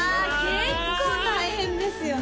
結構大変ですよね？